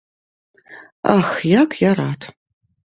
Ах, як я рад!